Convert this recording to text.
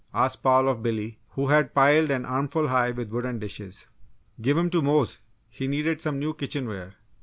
asked Paul of Billy, who had piled an armful high with wooden dishes. "Give 'em to Mose he needed some new kitchenware!"